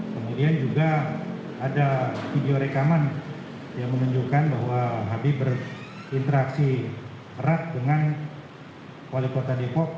kemudian juga ada video rekaman yang menunjukkan bahwa habib berinteraksi erat dengan wali kota depok